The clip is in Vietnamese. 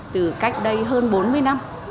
từ cách đây hơn bốn mươi năm